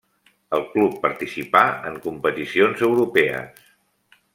El club participà en competicions europees.